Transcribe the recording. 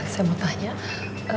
saya mau tanya